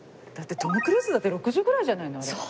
だってトム・クルーズだって６０ぐらいじゃないの？